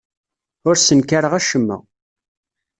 Ur ssenkareɣ acemma.